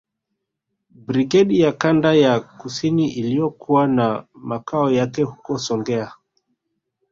Brigedi ya Kanda ya Kusini iliyokuwa na makao yake huko Songea